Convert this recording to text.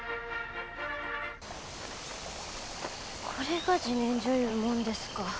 これが自然薯いうもんですか。